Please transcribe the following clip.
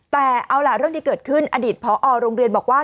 แต่เอาล่ะเรื่องที่เกิดขึ้นอดีตพอโรงเรียนบอกว่า